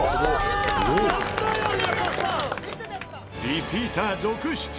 リピーター続出。